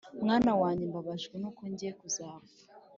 mwana wanjye mbabajwe nuko ngiye kuzapfa